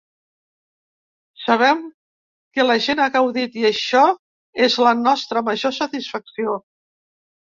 Sabem que la gent ha gaudit i això és la nostra major satisfacció.